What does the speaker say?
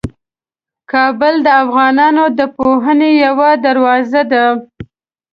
کابل د افغانانو د پوهنې یوه دروازه ده.